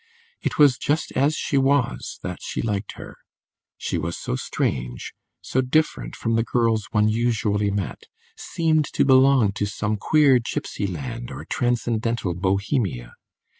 It was just as she was that she liked her; she was so strange, so different from the girls one usually met, seemed to belong to some queer gipsy land or transcendental Bohemia.